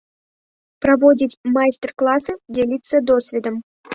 Праводзіць майстар-класы, дзяліцца досведам.